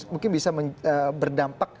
mungkin bisa berdampak